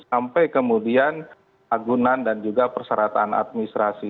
sampai kemudian agunan dan juga perseratan administrasi